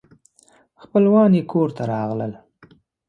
خپلوان یې کور ته راغلل.